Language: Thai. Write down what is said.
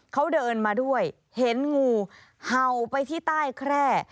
เขาเดินมาด้วยเห็นงูเห่าไปที่ใต้แคร่